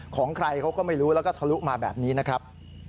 ของใครเขาก็ไม่รู้แล้วก็ทะลุมาแบบนี้นะครับ